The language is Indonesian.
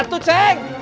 paket trik yang leher